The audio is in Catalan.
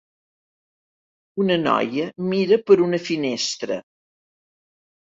Una noia mira per una finestra.